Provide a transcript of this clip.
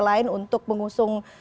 lain untuk mengusung